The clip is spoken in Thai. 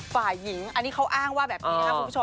ฝ่ายหญิงอันนี้เขาอ้างว่าแบบนี้นะครับคุณผู้ชม